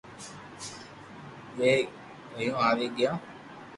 اووي ڀوپو آوي گيو